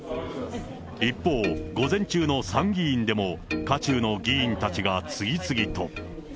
一方、午前中の参議院でも、渦中の議員たちが次々と。